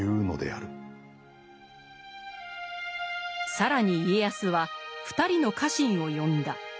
更に家康は２人の家臣を呼んだ。